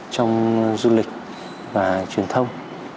trong du lịch và truyền thông